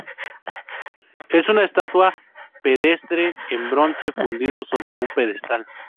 Es una estatua pedestre en bronce fundido sobre un pedestal.